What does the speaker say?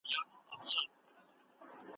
چي پراته دي دا ستا تروم په موږ وژلي `